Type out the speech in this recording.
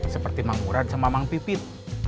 seperti emang murad sama emang pipit